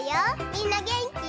みんなげんき？